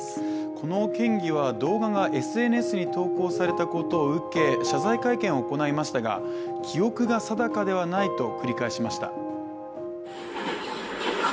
この県議は動画がＳＮＳに投稿されたことを受け謝罪会見を行いましたが、記憶が定かではないと繰り返しました。